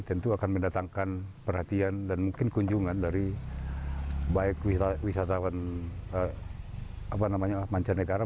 tentu akan mendatangkan perhatian dan mungkin kunjungan dari baik wisatawan mancanegara